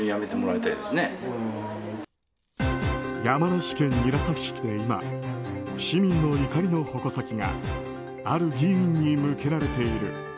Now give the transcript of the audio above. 山梨県韮崎市で今市民の怒りの矛先がある議員に向けられている。